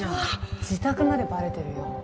自宅までバレてるよ。